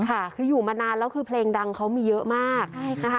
ค่ะคืออยู่มานานแล้วคือเพลงดังเขามีเยอะมากใช่นะคะ